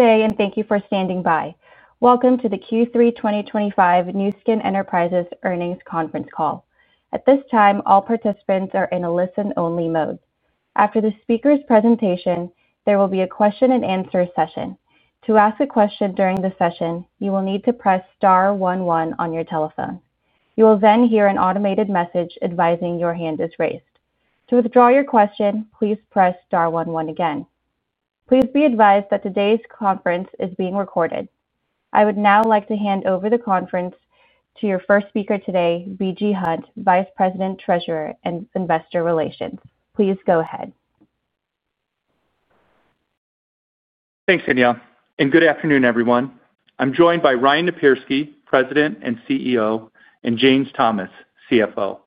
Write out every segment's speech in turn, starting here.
Good day, and thank you for standing by. Welcome to the Q3 2025 Nu Skin Enterprises Earnings Conference Call. At this time, all participants are in a listen-only mode. After the speaker's presentation, there will be a question-and-answer session. To ask a question during the session, you will need to press star one one on your telephone. You will then hear an automated message advising your hand is raised. To withdraw your question, please press star one one again. Please be advised that today's conference is being recorded. I would now like to hand over the conference to your first speaker today, B.G. Hunt, Vice President, Treasurer, and Investor Relations. Please go ahead. Thanks, Danielle, and good afternoon, everyone. I'm joined by Ryan Napierski, President and CEO, and James Thomas, CFO.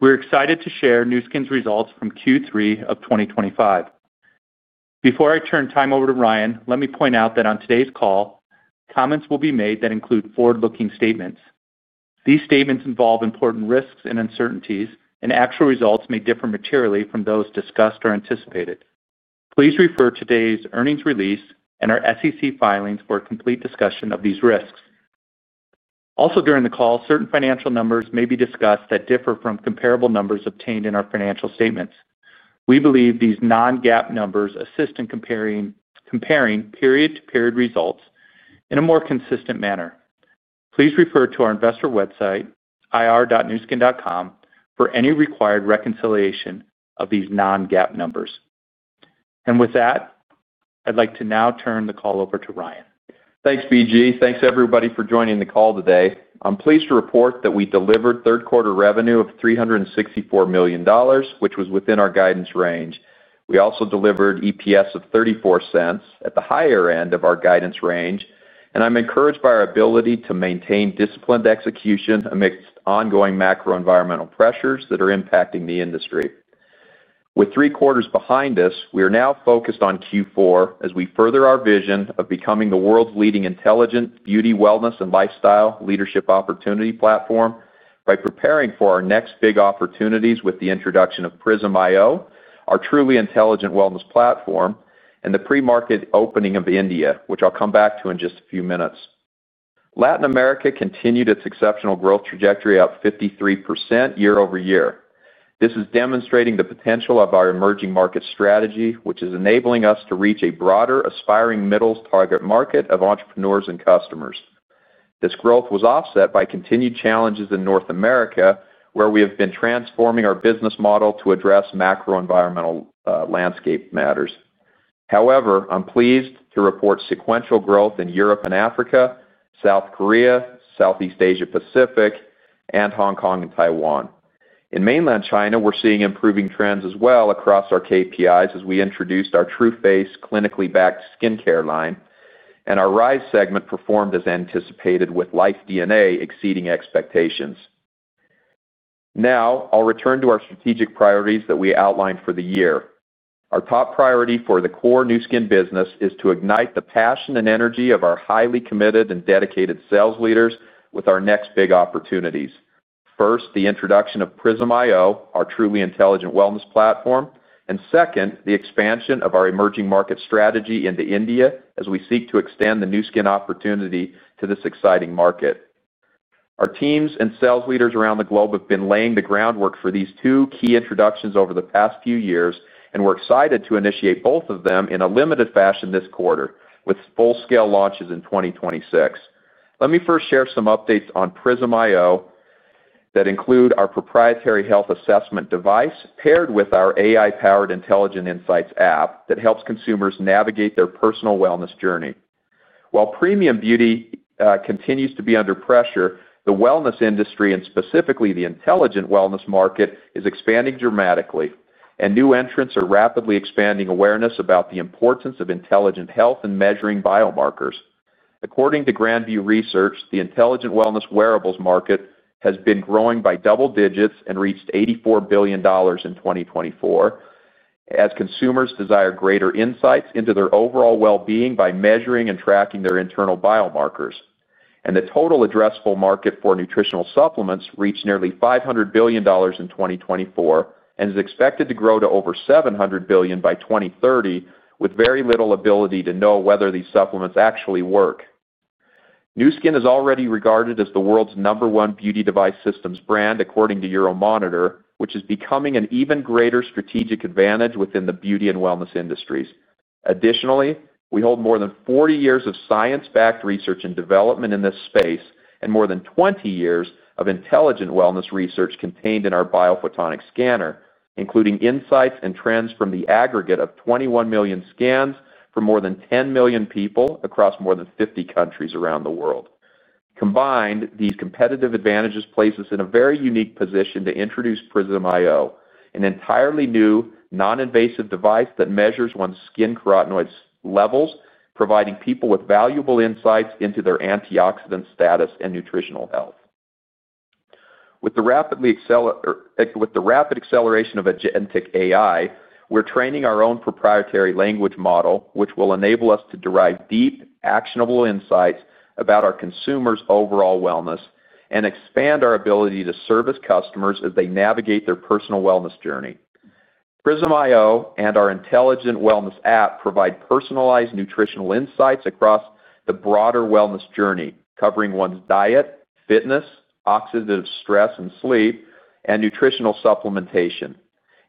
We're excited to share Nu Skin's results from Q3 of 2025. Before I turn time over to Ryan, let me point out that on today's call, comments will be made that include forward-looking statements. These statements involve important risks and uncertainties, and actual results may differ materially from those discussed or anticipated. Please refer to today's earnings release and our SEC filings for a complete discussion of these risks. Also, during the call, certain financial numbers may be discussed that differ from comparable numbers obtained in our financial statements. We believe these non-GAAP numbers assist in comparing. Period-to-period results in a more consistent manner. Please refer to our investor website, ir.nuskin.com, for any required reconciliation of these non-GAAP numbers. And with that. I'd like to now turn the call over to Ryan. Thanks, B.G. Thanks, everybody, for joining the call today. I'm pleased to report that we delivered third-quarter revenue of $364 million, which was within our guidance range. We also delivered EPS of $0.34 at the higher end of our guidance range, and I'm encouraged by our ability to maintain disciplined execution amidst ongoing macro-environmental pressures that are impacting the industry. With three quarters behind us, we are now focused on Q4 as we further our vision of becoming the world's leading intelligent beauty, wellness, and lifestyle leadership opportunity platform by preparing for our next big opportunities with the introduction of Prism iO, our truly intelligent wellness platform, and the pre-market opening of India, which I'll come back to in just a few minutes. Latin America continued its exceptional growth trajectory at 53% year-over-year. This is demonstrating the potential of our emerging market strategy, which is enabling us to reach a broader aspiring middle target market of entrepreneurs and customers. This growth was offset by continued challenges in North America, where we have been transforming our business model to address macro-environmental landscape matters. However, I'm pleased to report sequential growth in Europe and Africa, South Korea, Southeast Asia-Pacific, and Hong Kong and Taiwan. In mainland China, we're seeing improving trends as well across our KPIs as we introduced our Tru Face clinically-backed skincare line, and our Rhyz segment performed as anticipated with LifeDNA exceeding expectations. Now, I'll return to our strategic priorities that we outlined for the year. Our top priority for the core Nu Skin business is to ignite the passion and energy of our highly committed and dedicated sales leaders with our next big opportunities. First, the introduction of Prism iO, our truly intelligent wellness platform, and second, the expansion of our emerging market strategy into India as we seek to extend the Nu Skin opportunity to this exciting market. Our teams and sales leaders around the globe have been laying the groundwork for these two key introductions over the past few years, and we're excited to initiate both of them in a limited fashion this quarter with full-scale launches in 2026. Let me first share some updates on Prism iO that include our proprietary health assessment device paired with our AI-powered intelligent insights app that helps consumers navigate their personal wellness journey. While premium beauty continues to be under pressure, the wellness industry, and specifically the intelligent wellness market, is expanding dramatically, and new entrants are rapidly expanding awareness about the importance of intelligent health and measuring biomarkers. According to Grand View Research, the intelligent wellness wearables market has been growing by double digits and reached $84 billion in 2024. As consumers desire greater insights into their overall well-being by measuring and tracking their internal biomarkers, the total addressable market for nutritional supplements reached nearly $500 billion in 2024 and is expected to grow to over $700 billion by 2030, with very little ability to know whether these supplements actually work. Nu Skin is already regarded as the world's number one beauty device systems brand, according to Euromonitor, which is becoming an even greater strategic advantage within the beauty and wellness industries. Additionally, we hold more than 40 years of science-backed research and development in this space and more than 20 years of intelligent wellness research contained in our biophotonic scanner, including insights and trends from the aggregate of 21 million scans from more than 10 million people across more than 50 countries around the world. Combined, these competitive advantages place us in a very unique position to introduce Prism iO, an entirely new non-invasive device that measures one's skin carotenoid levels, providing people with valuable insights into their antioxidant status and nutritional health. With the rapid. Acceleration of Agentic AI, we're training our own proprietary language model, which will enable us to derive deep, actionable insights about our consumers' overall wellness and expand our ability to service customers as they navigate their personal wellness journey. Prism iO and our intelligent wellness app provide personalized nutritional insights across the broader wellness journey, covering one's diet, fitness, oxidative stress and sleep, and nutritional supplementation,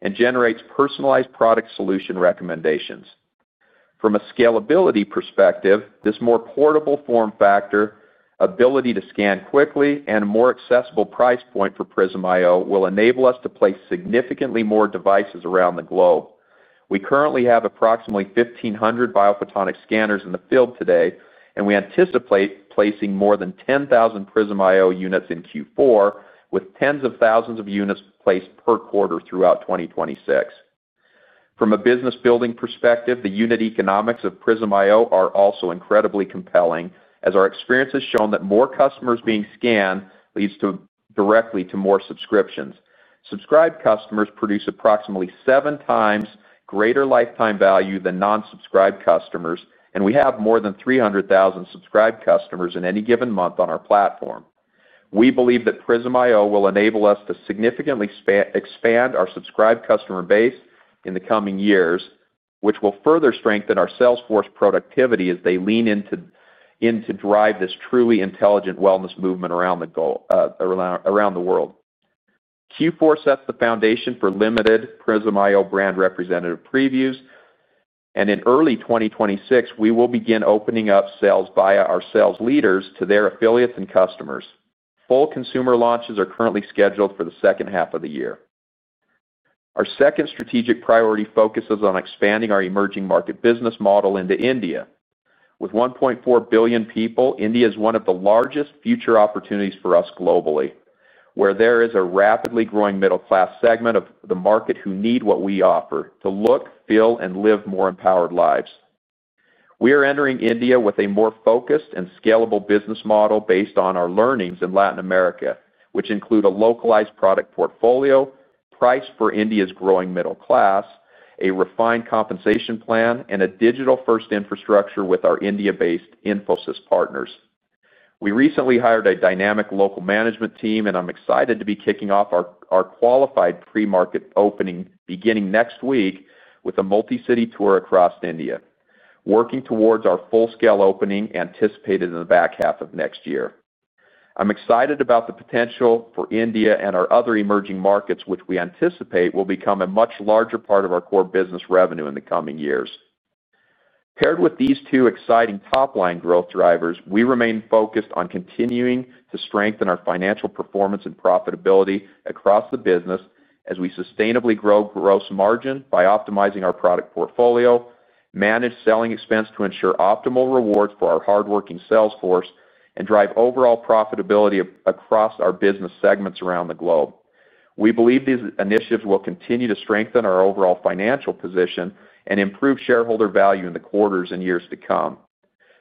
and generates personalized product solution recommendations. From a scalability perspective, this more portable form factor, ability to scan quickly, and a more accessible price point for Prism iO will enable us to place significantly more devices around the globe. We currently have approximately 1,500 biophotonic scanners in the field today, and we anticipate placing more than 10,000 Prism iO units in Q4, with tens of thousands of units placed per quarter throughout 2026. From a business-building perspective, the unit economics of Prism iO are also incredibly compelling, as our experience has shown that more customers being scanned leads directly to more subscriptions. Subscribed customers produce approximately seven times greater lifetime value than non-subscribed customers, and we have more than 300,000 subscribed customers in any given month on our platform. We believe that Prism iO will enable us to significantly expand our subscribed customer base in the coming years, which will further strengthen our sales force productivity as they lean into. Drive this truly intelligent wellness movement around the. World. Q4 sets the foundation for limited Prism iO brand representative previews, and in early 2026, we will begin opening up sales via our sales leaders to their affiliates and customers. Full consumer launches are currently scheduled for the second half of the year. Our second strategic priority focuses on expanding our emerging market business model into India. With 1.4 billion people, India is one of the largest future opportunities for us globally, where there is a rapidly growing middle-class segment of the market who need what we offer to look, feel, and live more empowered lives. We are entering India with a more focused and scalable business model based on our learnings in Latin America, which include a localized product portfolio, price for India's growing middle class, a refined compensation plan, and a digital-first infrastructure with our India-based Infosys partners. We recently hired a dynamic local management team, and I'm excited to be kicking off our qualified pre-market opening beginning next week with a multi-city tour across India, working towards our full-scale opening anticipated in the back half of next year. I'm excited about the potential for India and our other emerging markets, which we anticipate will become a much larger part of our core business revenue in the coming years. Paired with these two exciting top-line growth drivers, we remain focused on continuing to strengthen our financial performance and profitability across the business as we sustainably grow gross margin by optimizing our product portfolio, manage selling expense to ensure optimal rewards for our hardworking sales force, and drive overall profitability across our business segments around the globe. We believe these initiatives will continue to strengthen our overall financial position and improve shareholder value in the quarters and years to come.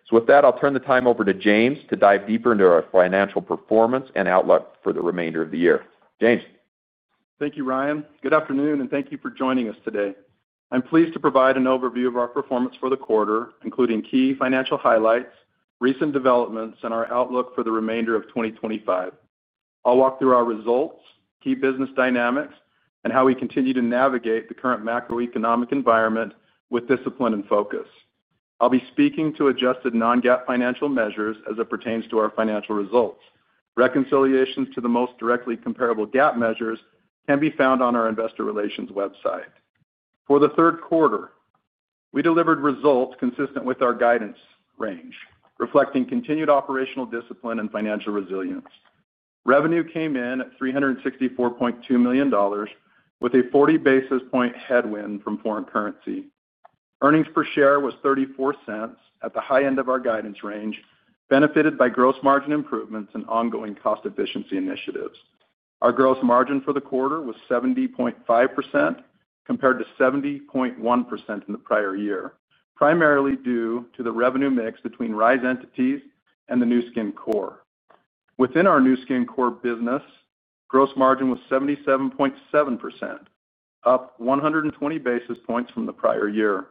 So with that, I'll turn the time over to James to dive deeper into our financial performance and outlook for the remainder of the year. James. Thank you, Ryan. Good afternoon, and thank you for joining us today. I'm pleased to provide an overview of our performance for the quarter, including key financial highlights, recent developments, and our outlook for the remainder of 2025. I'll walk through our results, key business dynamics, and how we continue to navigate the current macroeconomic environment with discipline and focus. I'll be speaking to adjusted non-GAAP financial measures as it pertains to our financial results. Reconciliations to the most directly comparable GAAP measures can be found on our investor relations website. For the third quarter, we delivered results consistent with our guidance range, reflecting continued operational discipline and financial resilience. Revenue came in at $364.2 million, with a 40 basis point headwind from foreign currency. Earnings per share was $0.34 at the high end of our guidance range, benefited by gross margin improvements and ongoing cost efficiency initiatives. Our gross margin for the quarter was 70.5% compared to 70.1% in the prior year, primarily due to the revenue mix between RISE entities and the Nu Skin core. Within our Nu Skin core business. Gross margin was 77.7%. Up 120 basis points from the prior year.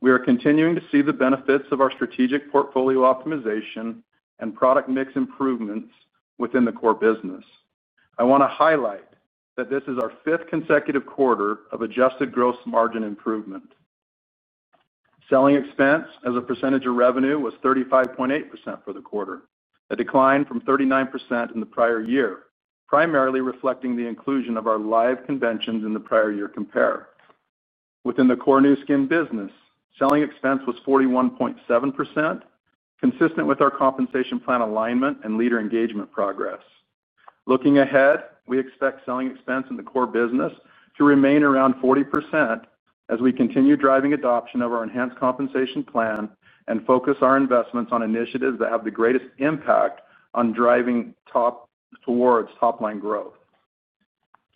We are continuing to see the benefits of our strategic portfolio optimization and product mix improvements within the core business. I want to highlight that this is our fifth consecutive quarter of adjusted gross margin improvement. Selling expense as a percentage of revenue was 35.8% for the quarter, a decline from 39% in the prior year, primarily reflecting the inclusion of our live conventions in the prior year compare. Within the core Nu Skin business, selling expense was 41.7%. Consistent with our compensation plan alignment and leader engagement progress. Looking ahead, we expect selling expense in the core business to remain around 40% as we continue driving adoption of our enhanced compensation plan and focus our investments on initiatives that have the greatest impact on driving towards top-line growth.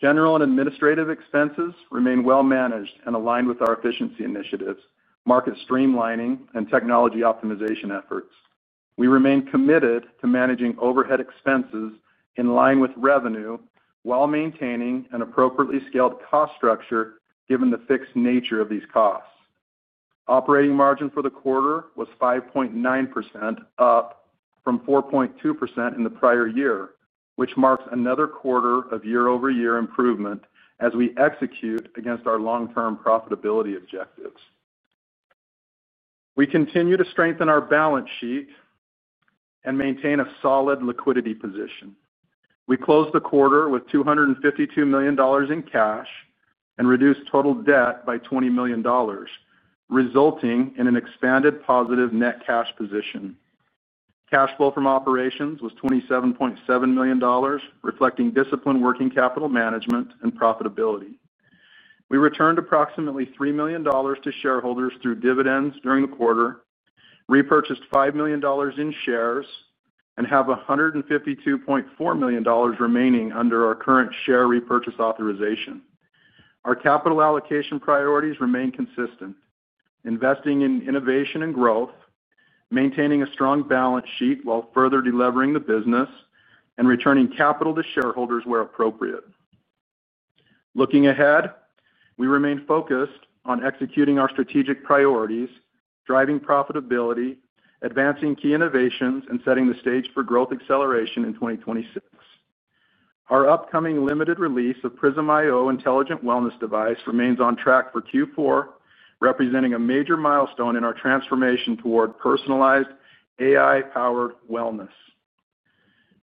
General and administrative expenses remain well managed and aligned with our efficiency initiatives, market streamlining, and technology optimization efforts. We remain committed to managing overhead expenses in line with revenue while maintaining an appropriately scaled cost structure given the fixed nature of these costs. Operating margin for the quarter was 5.9%, up from 4.2% in the prior year, which marks another quarter of year-over-year improvement as we execute against our long-term profitability objectives. We continue to strengthen our balance sheet. And maintain a solid liquidity position. We closed the quarter with $252 million in cash and reduced total debt by $20 million. Resulting in an expanded positive net cash position. Cash flow from operations was $27.7 million, reflecting disciplined working capital management and profitability. We returned approximately $3 million to shareholders through dividends during the quarter, repurchased $5 million in shares, and have $152.4 million remaining under our current share repurchase authorization. Our capital allocation priorities remain consistent, investing in innovation and growth, maintaining a strong balance sheet while further delivering the business and returning capital to shareholders where appropriate. Looking ahead, we remain focused on executing our strategic priorities, driving profitability, advancing key innovations, and setting the stage for growth acceleration in 2026. Our upcoming limited release of Prism iO intelligent wellness device remains on track for Q4, representing a major milestone in our transformation toward personalized AI-powered wellness.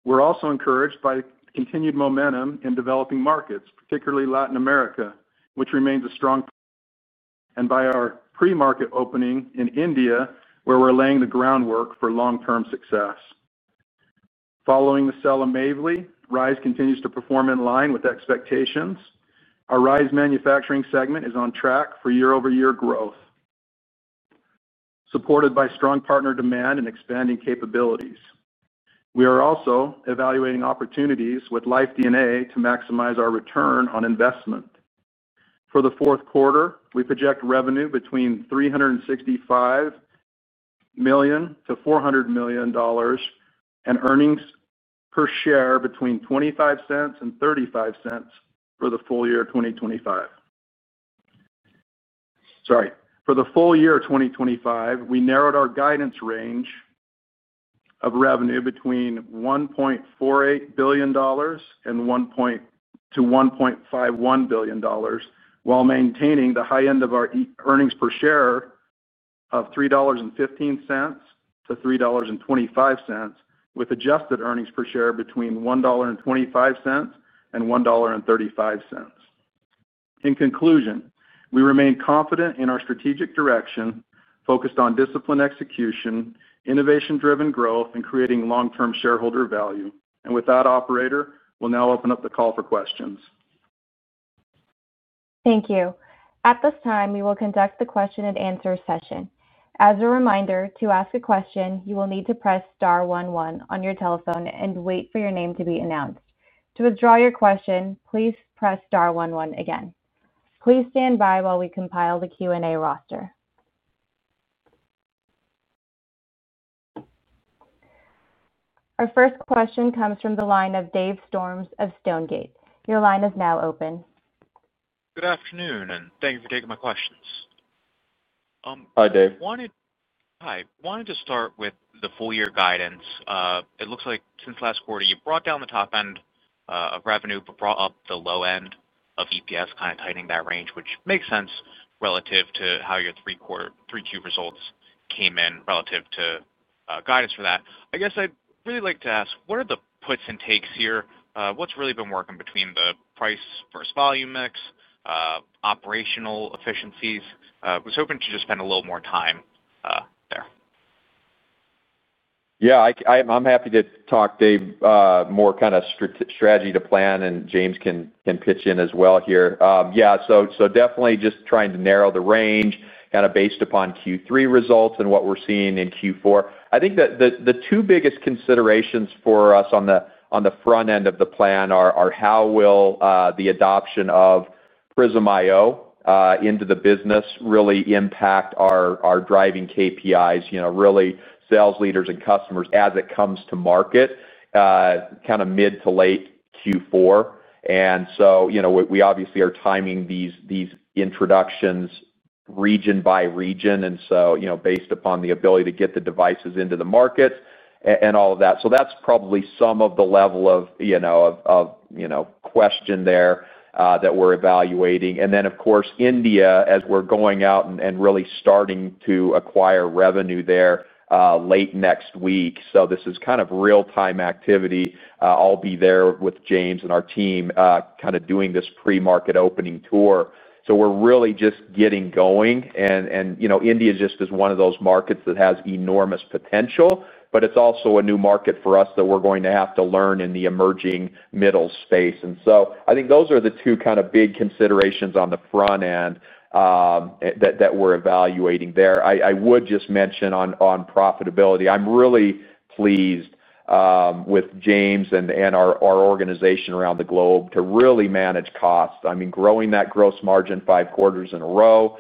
We're also encouraged by continued momentum in developing markets, particularly Latin America, which remains a strong. And by our pre-market opening in India, where we're laying the groundwork for long-term success. Following the sale of Mavely, Rhyz continues to perform in line with expectations. Our Rhyz manufacturing segment is on track for year-over-year growth. Supported by strong partner demand and expanding capabilities. We are also evaluating opportunities with LifeDNA to maximize our return on investment. For the fourth quarter, we project revenue between $365 million to $400 million. And earnings per share between $0.25 and $0.35for the full year 2025. Sorry. For the full year 2025, we narrowed our guidance range. Of revenue between $1.48 billion and. $1.51 billion, while maintaining the high end of our earnings per share of $3.15-$3.25, with adjusted earnings per share between $1.25 and $1.35. In conclusion, we remain confident in our strategic direction, focused on discipline execution, innovation-driven growth, and creating long-term shareholder value. And with that, operator, we'll now open up the call for questions. Thank you. At this time, we will conduct the question-and-answer session. As a reminder, to ask a question, you will need to press star one one on your telephone and wait for your name to be announced. To withdraw your question, please press star one one again. Please stand by while we compile the Q&A roster. Our first question comes from the line of Dave Storms of Stonegate. Your line is now open. Good afternoon, and thank you for taking my questions. Hi, Dave. Hi. Wanted to start with the full-year guidance. It looks like since last quarter, you brought down the top end of revenue but brought up the low end of EPS, kind of tightening that range, which makes sense relative to how your Q3 results came in relative to guidance for that. I guess I'd really like to ask, what are the puts and takes here? What's really been working between the price versus volume mix, operational efficiencies? I was hoping to just spend a little more time. There. Yeah. I'm happy to talk, Dave, more kind of strategy to plan, and James can pitch in as well here. Yeah. So definitely just trying to narrow the range kind of based upon Q3 results and what we're seeing in Q4. I think that the two biggest considerations for us on the front end of the plan are how will the adoption of Prism iO into the business really impact our driving KPIs, really sales leaders and customers as it comes to market. Kind of mid to late Q4. And so we obviously are timing these introductions region by region, and so based upon the ability to get the devices into the market and all of that. So that's probably some of the level of. Question there that we're evaluating. And then, of course, India, as we're going out and really starting to acquire revenue there late next week. So this is kind of real-time activity. I'll be there with James and our team kind of doing this pre-market opening tour. So we're really just getting going. And India just is one of those markets that has enormous potential, but it's also a new market for us that we're going to have to learn in the emerging middle space. And so I think those are the two kind of big considerations on the front end. That we're evaluating there. I would just mention on profitability, I'm really pleased. With James and our organization around the globe to really manage costs. I mean, growing that gross margin five quarters in a row,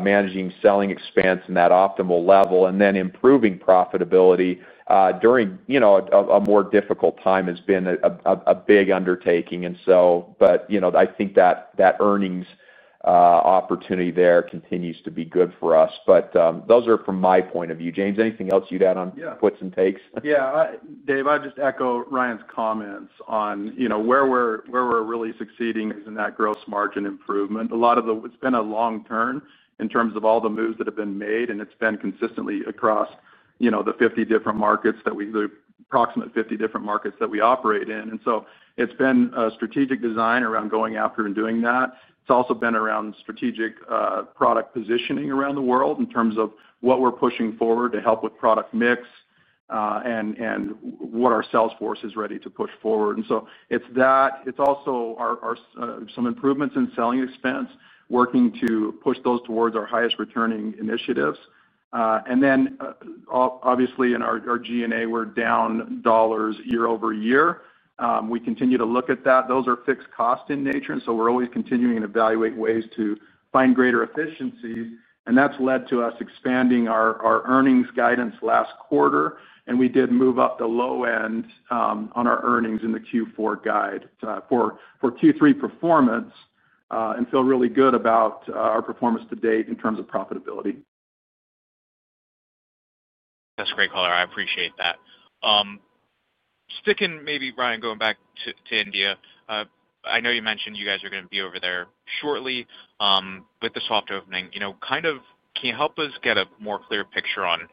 managing selling expense in that optimal level, and then improving profitability during. A more difficult time has been a big undertaking. And so, but I think that earnings. Opportunity there continues to be good for us. But those are from my point of view. James, anything else you'd add on puts and takes? Yeah. Dave, I'll just echo Ryan's comments on where we're really succeeding is in that gross margin improvement. A lot of it's been a long turn in terms of all the moves that have been made, and it's been consistently across the 50 different markets, the approximate 50 different markets that we operate in. And so it's been a strategic design around going after and doing that. It's also been around strategic product positioning around the world in terms of what we're pushing forward to help with product mix. And what our sales force is ready to push forward. And so it's that. It's also some improvements in selling expense, working to push those towards our highest returning initiatives. And then. Obviously, in our G&A, we're down dollars year-over- year. We continue to look at that. Those are fixed cost in nature. And so we're always continuing to evaluate ways to find greater efficiencies. And that's led to us expanding our earnings guidance last quarter. And we did move up the low end on our earnings in the Q4 guide for Q3 performance and feel really good about our performance to date in terms of profitability. That's great, Collar. I appreciate that. Sticking maybe, Ryan, going back to India, I know you mentioned you guys are going to be over there shortly with the soft opening. Kind of can you help us get a more clear picture on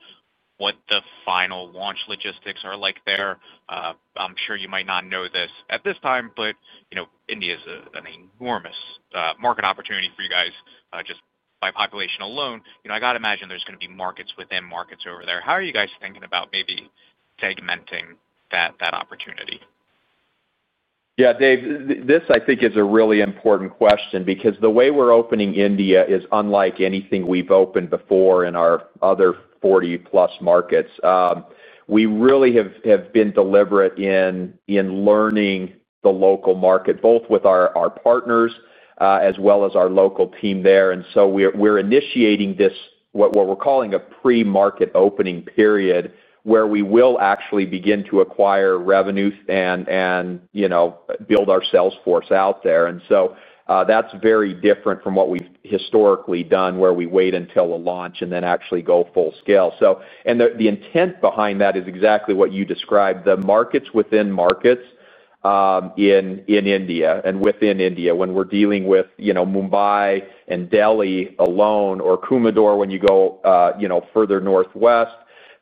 what the final launch logistics are like there? I'm sure you might not know this at this time, but India is an enormous market opportunity for you guys just by population alone. I got to imagine there's going to be markets within markets over there. How are you guys thinking about maybe segmenting that opportunity? Yeah, Dave, this I think is a really important question because the way we're opening India is unlike anything we've opened before in our other 40-plus markets. We really have been deliberate in learning the local market, both with our partners as well as our local team there. And so we're initiating what we're calling a pre-market opening period where we will actually begin to acquire revenue and. Build our sales force out there. And so that's very different from what we've historically done, where we wait until a launch and then actually go full scale. And the intent behind that is exactly what you described. The markets within markets. In India and within India, when we're dealing with Mumbai and Delhi alone or Coumador when you go further northwest,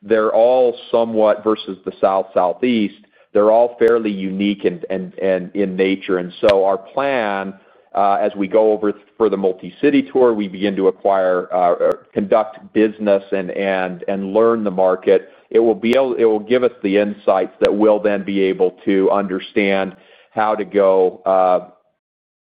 they're all somewhat versus the South Southeast, they're all fairly unique in nature. And so our plan. As we go over for the multi-city tour, we begin to acquire. Conduct business and learn the market. It will give us the insights that we'll then be able to understand how. To go.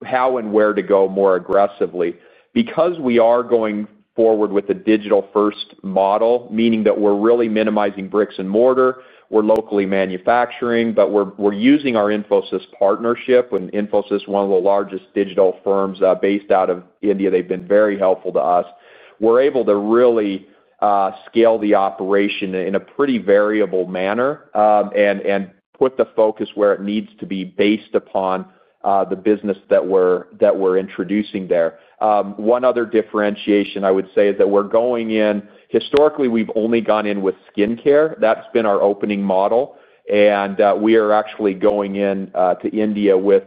How and where to go more aggressively. Because we are going forward with a digital-first model, meaning that we're really minimizing bricks and mortar, we're locally manufacturing, but we're using our Infosys partnership. Infosys, one of the largest digital firms based out of India, they've been very helpful to us. We're able to really. Scale the operation in a pretty variable manner and put the focus where it needs to be based upon the business that we're introducing there. One other differentiation I would say is that we're going in historically, we've only gone in with skincare. That's been our opening model. And we are actually going into India with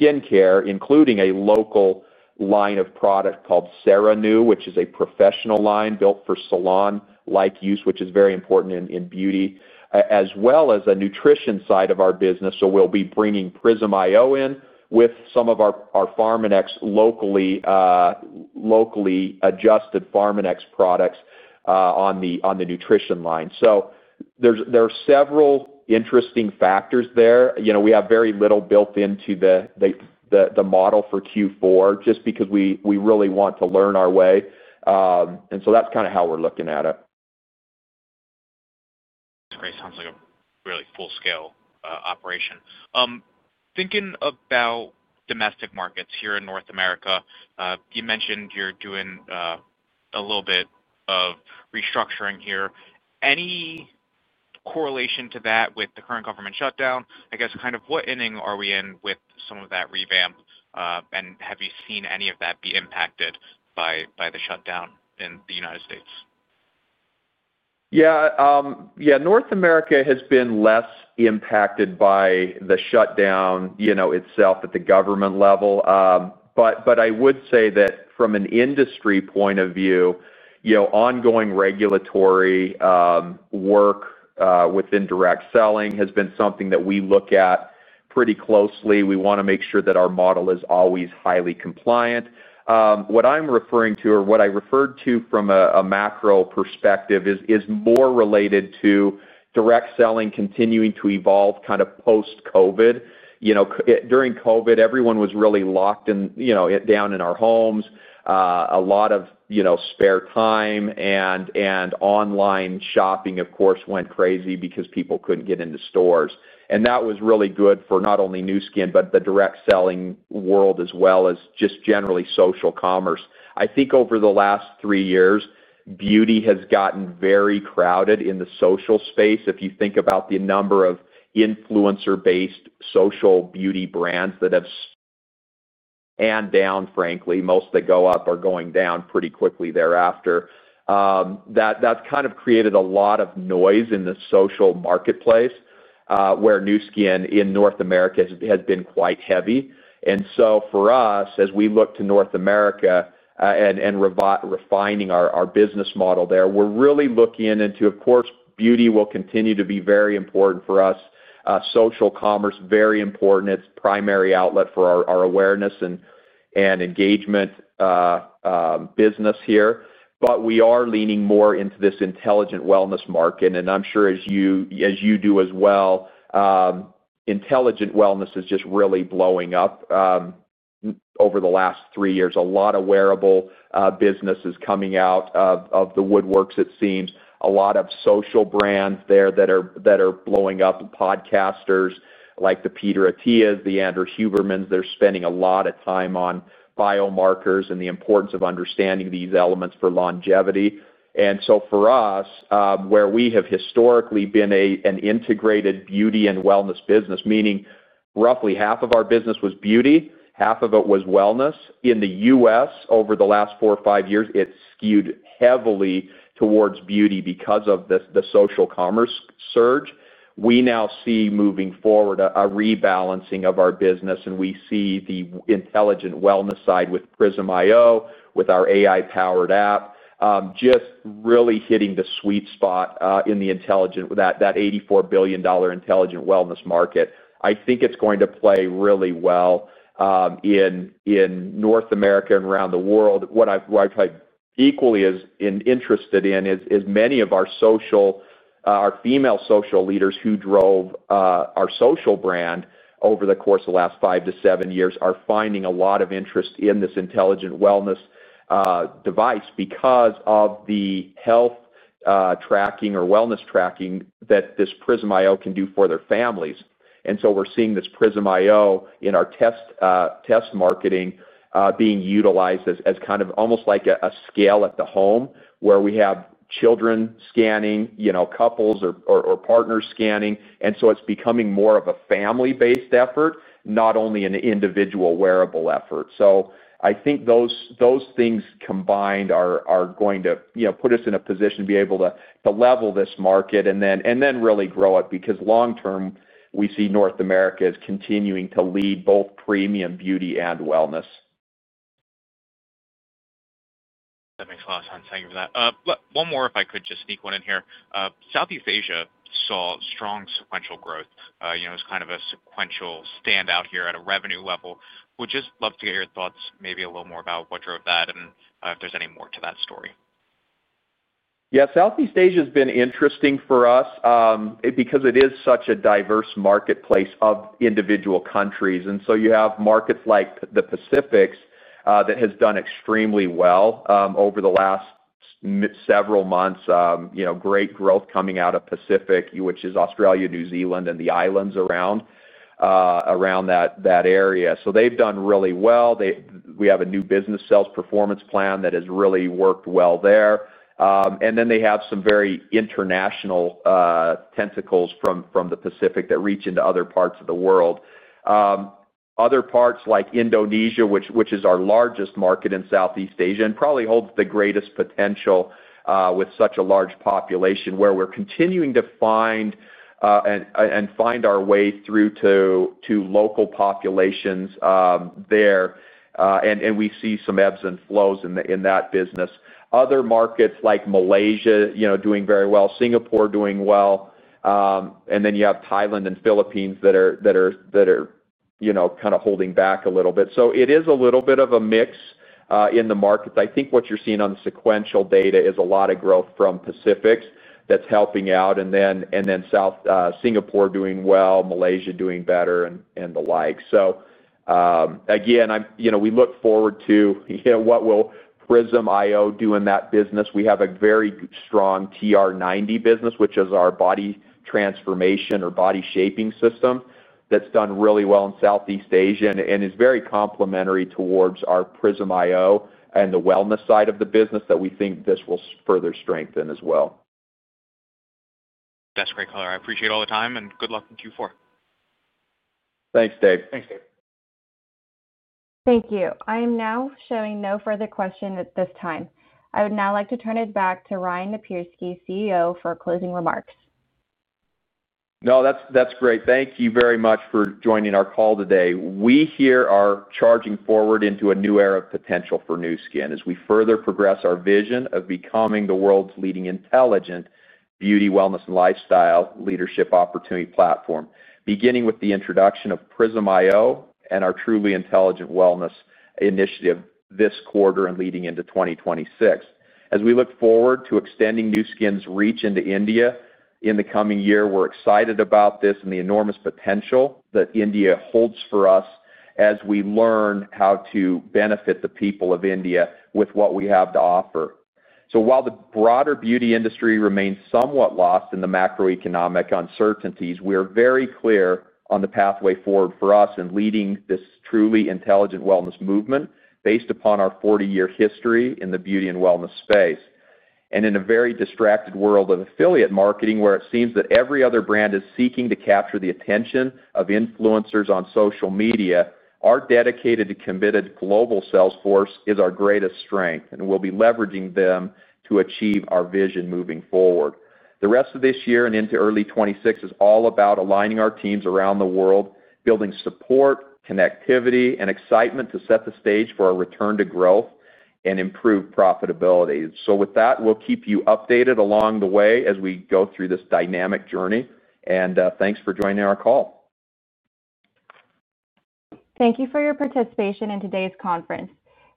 skincare, including a local line of product called SeraNu, which is a professional line built for salon-like use, which is very important in beauty, as well as a nutrition side of our business. So we'll be bringing Prism iO in with some of our Pharmanex locally. Adjusted Pharmanex products on the nutrition line. So. There are several interesting factors there. We have very little built into. The model for Q4 just because we really want to learn our way. And so that's kind of how we're looking at it. That's great. Sounds like a really full-scale operation. Thinking about domestic markets here in North America, you mentioned you're doing. A little bit of restructuring here. Any. Correlation to that with the current government shutdown? I guess kind of what ending are we in with some of that revamp? And have you seen any of that be impacted by the shutdown in the United States? Yeah. Yeah. North America has been less impacted by the shutdown itself at the government level. But I would say that from an industry point of view, ongoing regulatory. Work within direct selling has been something that we look at pretty closely. We want to make sure that our model is always highly compliant. What I'm referring to, or what I referred to from a macro perspective, is more related to. Direct selling continuing to evolve kind of post-COVID. During COVID, everyone was really locked down in our homes. A lot of. Spare time and online shopping, of course, went crazy because people couldn't get into stores. And that was really good for not only Nu Skin but the direct selling world as well as just generally social commerce. I think over the last three years, beauty has gotten very crowded in the social space. If you think about the number of influencer-based social beauty brands that have. And down, frankly, most that go up are going down pretty quickly thereafter. That's kind of created a lot of noise in the social marketplace where Nu Skin in North America has been quite heavy. And so for us, as we look to North America and refining our business model there, we're really looking into, of course, beauty will continue to be very important for us. Social commerce, very important. It's a primary outlet for our awareness and. And engagement. Business here. But we are leaning more into this intelligent wellness market. And I'm sure as you do as well. Intelligent wellness is just really blowing up. Over the last three years. A lot of wearable business is coming out of the woodworks, it seems. A lot of social brands there that are blowing up, podcasters like the Peter Atiyah, the Andrew Huberman's. They're spending a lot of time on biomarkers and the importance of understanding these elements for longevity. And so for us, where we have historically been an integrated beauty and wellness business, meaning roughly half of our business was beauty, half of it was wellness, in the U.S. over the last four or five years, it skewed heavily towards beauty because of the social commerce surge. We now see moving forward a rebalancing of our business, and we see the intelligent wellness side with Prism iO, with our AI-powered app, just really hitting the sweet spot in that $84 billion intelligent wellness market. I think it's going to play really well in North America and around the world. What I've equally is interested in is many of our. Female social leaders who drove our social brand over the course of the last five to seven years are finding a lot of interest in this intelligent wellness. Device because of the health. Tracking or wellness tracking that this Prism iO can do for their families. And so we're seeing this Prism iO in our test. Marketing being utilized as kind of almost like a scale at the home where we have children scanning, couples or partners scanning. And so it's becoming more of a family-based effort, not only an individual wearable effort. So I think those things combined are going to put us in a position to be able to level this market and then really grow it because long term, we see North America is continuing to lead both premium beauty and wellness. That makes a lot of sense. Thank you for that. One more, if I could just sneak one in here. Southeast Asia saw strong sequential growth. It was kind of a sequential standout here at a revenue level. Would just love to get your thoughts maybe a little more about what drove that and if there's any more to that story. Yeah. Southeast Asia has been interesting for us. Because it is such a diverse marketplace of individual countries. And so you have markets like the Pacifics that have done extremely well over the last. Several months. Great growth coming out of Pacific, which is Australia, New Zealand, and the islands around. That area. So they've done really well. We have a new business sales performance plan that has really worked well there. And then they have some very international. Tentacles from the Pacific that reach into other parts of the world. Other parts like Indonesia, which is our largest market in Southeast Asia and probably holds the greatest potential. With such a large population where we're continuing to find. And find our way through to local populations. There. And we see some ebbs and flows in that business. Other markets like Malaysia doing very well, Singapore doing well. And then you have Thailand and Philippines that are. Kind of holding back a little bit. So it is a little bit of a mix in the markets. I think what you're seeing on the sequential data is a lot of growth from Pacifics that's helping out. And then Singapore doing well, Malaysia doing better, and the like. So. Again, we look forward to. What will Prism iO do in that business? We have a very strong TR90 business, which is our body transformation or body shaping system that's done really well in Southeast Asia and is very complementary towards our Prism iO and the wellness side of the business that we think this will further strengthen as well. That's great, Collar. I appreciate all the time and good luck in Q4. Thanks, Dave. Thanks, Dave. Thank you. I am now showing no further questions at this time. I would now like to turn it back to Ryan Napierski, CEO, for closing remarks. No, that's great. Thank you very much for joining our call today. We here are charging forward into a new era of potential for Nu Skin as we further progress our vision of becoming the world's leading intelligent beauty, wellness, and lifestyle leadership opportunity platform, beginning with the introduction of Prism iO and our truly intelligent wellness initiative this quarter and leading into 2026. As we look forward to extending Nu Skin's reach into India in the coming year, we're excited about this and the enormous potential that India holds for us as we learn how to benefit the people of India with what we have to offer. So while the broader beauty industry remains somewhat lost in the macroeconomic uncertainties, we are very clear on the pathway forward for us in leading this truly intelligent wellness movement based upon our 40-year history in the beauty and wellness space. And in a very distracted world of affiliate marketing where it seems that every other brand is seeking to capture the attention of influencers on social media, our dedicated and committed global sales force is our greatest strength, and we'll be leveraging them to achieve our vision moving forward. The rest of this year and into early 2026 is all about aligning our teams around the world, building support, connectivity, and excitement to set the stage for our return to growth and improved profitability. So with that, we'll keep you updated along the way as we go through this dynamic journey. And thanks for joining our call. Thank you for your participation in today's conference.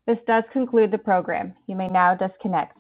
This does conclude the program. You may now disconnect.